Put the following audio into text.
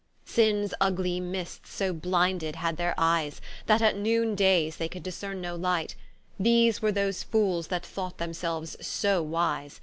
Sinnes vgly mists, so blinded had their eyes, That at Noone dayes they could discerne no Light: These were those fooles, that thought themselues so wise.